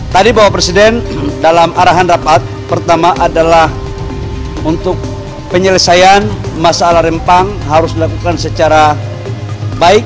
tadi bahwa presiden dalam arahan rapat pertama adalah untuk penyelesaian masalah rempang harus dilakukan secara baik